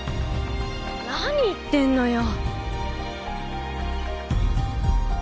何言ってんのよ。